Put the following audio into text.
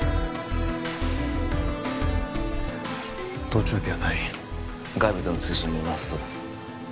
盗聴器はない外部との通信もなさそうだ